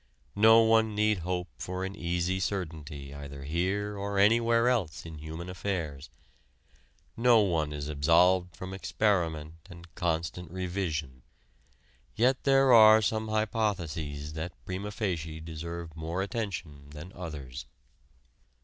No one need hope for an easy certainty either here or anywhere else in human affairs. No one is absolved from experiment and constant revision. Yet there are some hypotheses that prima facie deserve more attention than others.